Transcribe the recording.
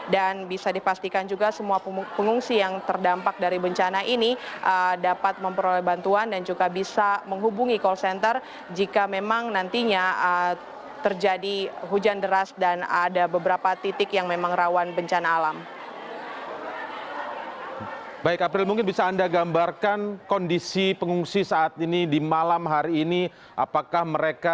desa sirnat boyo merupakan salah satu desa yang parah terdampak oleh bencana banjir